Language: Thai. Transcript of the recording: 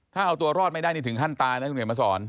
ถ้าเอาตัวรอดไม่ได้ถึงขั้นตาจะอาจจะเบื่อสร้อง